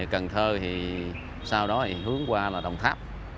cần thơ thì sau đó thì hướng qua là đồng tháp